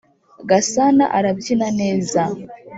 gasana arabyina neza